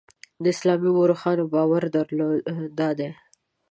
د اسلامي مورخانو باور دادی.